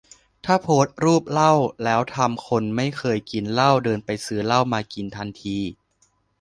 ถ้าโพสต์รูปเหล้าแล้วทำคนไม่เคยกินเหล้าเดินไปซื้อเหล้ามากินทันที